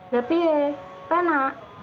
tapi ya kena